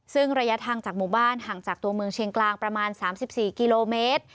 ซึ่งระยะทางจากหมู่บ้านห่างจากตัวเมืองเชียงกลางประมาณ๓๔กิโลเมตร